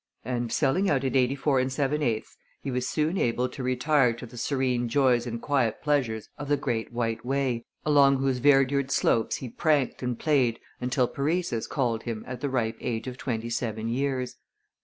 and, selling out at 84 7/8, he was soon able to retire to the serene joys and quiet pleasures of the Great White Way, along whose verdured slopes he pranked and played until paresis called him at the ripe age of twenty seven years.